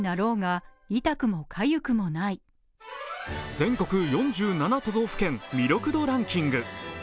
全国４７都道府県魅力度ランキング。